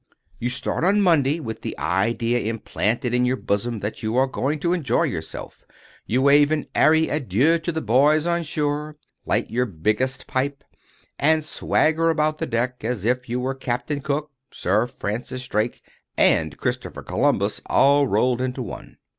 You start on Monday with the idea implanted in your bosom that you are going to enjoy yourself. You wave an airy adieu to the boys on shore, light your biggest pipe, and swagger about the deck as if you were Captain Cook, Sir Francis Drake, and Christopher Columbus all rolled into one.